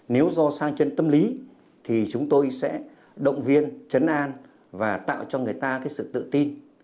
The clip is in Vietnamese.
nếu do sang chân tâm lý thì chúng tôi sẽ động viên chấn an và tạo cho người ta sự tự tin